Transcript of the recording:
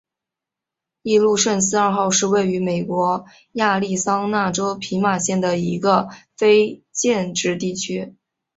圣路易斯二号是位于美国亚利桑那州皮马县的一个非建制地区。